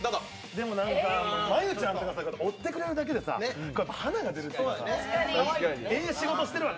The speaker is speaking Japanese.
でも真悠ちゃんなんかおってくれるだけで花が出るというか、ええ仕事してるわ。